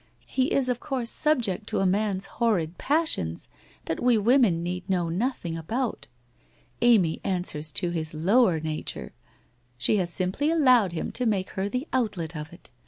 He is of course subject to a man's horrid passions that we women need know nothing about. Amy answers to his lower nature. She has simply allowed him to make her the outlet of it.